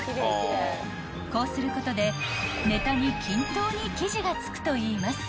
［こうすることでネタに均等に生地がつくといいます］